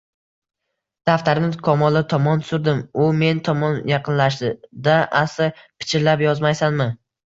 Daftarni Kamola tomon surdim, u men tomon yaqinlashdi-da asta pichirlab Yozmaysanmi